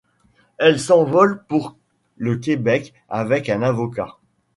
Elle s'envole pour le Québec avec un avocat...